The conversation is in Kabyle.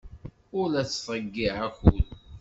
Ur la ttḍeyyiɛeɣ akud.